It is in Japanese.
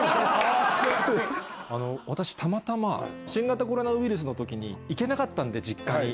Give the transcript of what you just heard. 私たまたま新型コロナウイルスの時に行けなかったんで実家に。